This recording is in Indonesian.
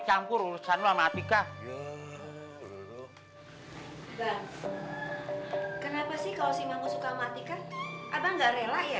campur urusan matika ya dulu bang kenapa sih kalau simak musika matikan abang gak rela ya